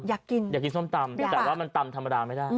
อยากกินอยากกินส้มตำแต่ว่ามันตำธรรมดาไม่ได้